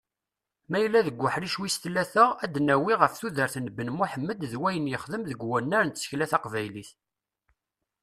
Ma yella deg uḥric wis tlata, ad d-nawwi ɣef tudert n Ben Muḥemmed d wayen yexdem deg wunar n tsekla taqbaylit.